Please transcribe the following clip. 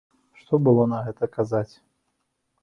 Што было на гэта казаць?